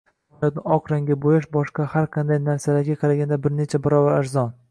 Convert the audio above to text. Samolyotni oq rangga bo'yash boshqa har qanday narsalarga qaraganda bir necha baravar arzon